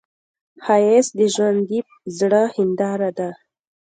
ښایست د ژوندي زړه هنداره ده